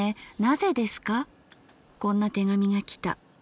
こんな手紙がきた。